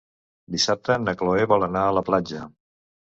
Dissabte na Cloè vol anar a la platja.